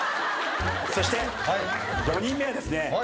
そして４人目はですね